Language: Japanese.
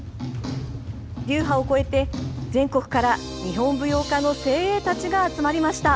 流派を超えて、全国から日本舞踊家の精鋭たちが集まりました。